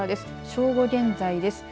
正午現在です。